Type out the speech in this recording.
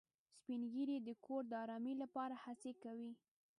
سپین ږیری د کور د ارامۍ لپاره هڅې کوي